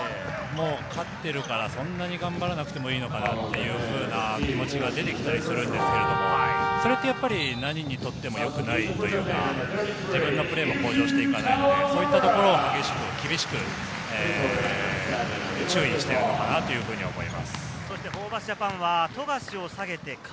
勝っているから、そんなに頑張らなくていいのかなっていうふうな気持ちが出てきたりするんですけれども、何にとっても良くないというか、自分のプレーも向上していかないので、そういったところを厳しく注意しているのかなと思います。